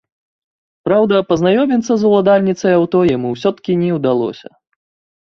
Праўда, пазнаёміцца з уладальніцай аўто яму ўсё-ткі не ўдалося.